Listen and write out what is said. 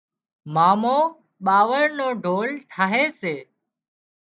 مامو ٻاوۯ نو ڍول ٺاهي سي